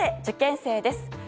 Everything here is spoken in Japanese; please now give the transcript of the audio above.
受験生です。